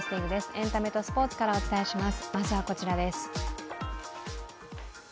エンタメとスポーツからお伝えします。